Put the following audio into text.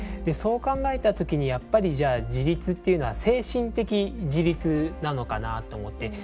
そう考えた時にやっぱりじゃあ自立っていうのは精神的自立なのかなと思って。